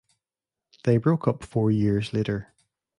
They broke up four years later.